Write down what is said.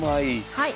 はい。